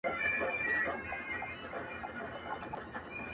جهاني غزل دي نوی شرنګ اخیستی!.